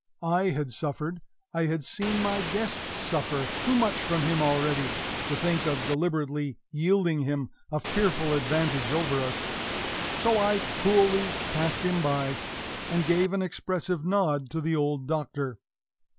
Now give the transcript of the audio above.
I had suffered, I had seen my guests suffer, too much from him already to think of deliberately yielding him a fearful advantage over us; so I coolly passed him by, and gave an expressive nod to the old Doctor.